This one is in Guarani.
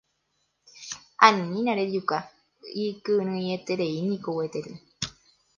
Anína rejuka ikyrỹietereíniko gueteri.